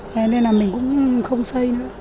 thế nên là mình cũng không xây nữa